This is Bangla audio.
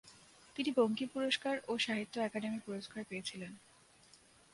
তিনি বঙ্কিম পুরস্কার ও সাহিত্য অকাদেমি পুরস্কার পেয়েছিলেন।